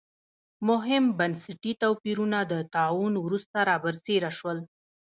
مهم بنسټي توپیرونه د طاعون وروسته را برسېره شول.